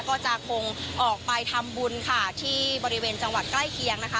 ก็จะคงออกไปทำบุญค่ะที่บริเวณจังหวัดใกล้เคียงนะคะ